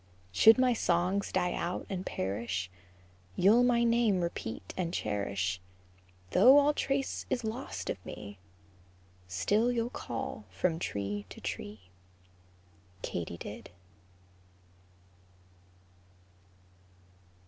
Should my songs die out and perish, You'll my name repeat and cherish; Though all trace is lost of me, Still you'll call from tree to tree, KATYDID.